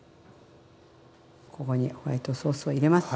ここにホワイトソースを入れます。